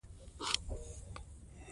دوی د یووالي او اعتماد په روحیه کار کوي.